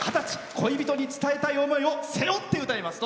恋人に伝えたい思いを背負って歌います。